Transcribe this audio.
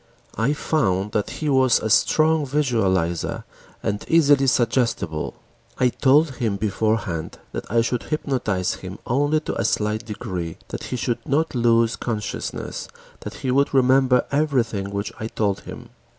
I found that he was a strong visualizer and easily suggestible. I told him beforehand that I should hypnotize him only to a slight degree, that he would not lose consciousness, that he would remember everything which I told him.